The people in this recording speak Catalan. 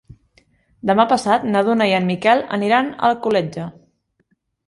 Demà passat na Duna i en Miquel aniran a Alcoletge.